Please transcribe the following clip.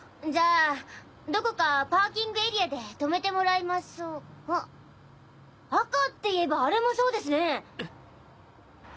じゃあどこかパーキングエリアで止めてもらいましょうあっ赤っていえばあれもそうですね。